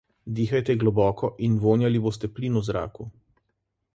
Dihajte globoko in vonjali boste plin v zraku.